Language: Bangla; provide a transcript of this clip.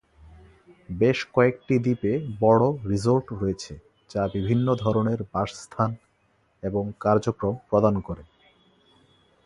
বেশ কয়েকটি দ্বীপে বড় রিসোর্ট রয়েছে, যা বিভিন্ন ধরনের বাসস্থান এবং কার্যক্রম প্রদান করে।